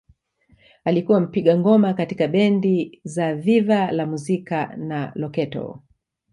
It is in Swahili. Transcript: Alikuwa mpiga ngoma katika bendi za Viva la Musica na Loketo